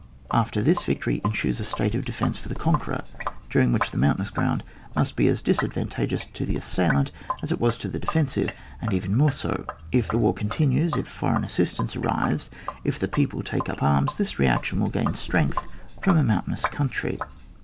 After this victory ensues a state of defence for the con queror, during which the mountainous ground must be as disadvantageous to the assailant as it was to the defen sive, and even more so. If the war con tinues, if foreign assistance arrives, if the people take up arms, this reaction will gain strength from a mountainous country.